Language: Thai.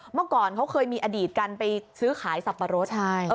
เมื่อก่อนเขาเคยมีอดีตกันไปซื้อขายสับปะรดใช่